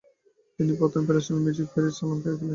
তিনি প্রথম প্যারিসীয় মিউজিক হল: প্যারিস অলিম্পিয়া খোলেন।